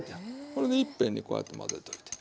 これでいっぺんにこうやって混ぜといて。